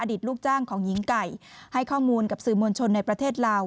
ลูกจ้างของหญิงไก่ให้ข้อมูลกับสื่อมวลชนในประเทศลาว